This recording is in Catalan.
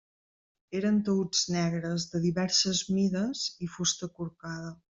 Eren taüts negres, de diverses mides i fusta corcada.